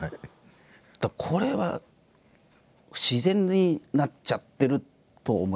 だからこれは自然になっちゃってると思いますね。